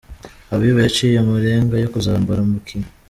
Habiba yaciye amarenga yo kuzambara ’Bikini’.